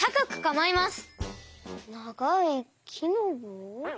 ながいきのぼう？